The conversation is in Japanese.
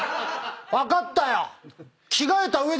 分かったよ！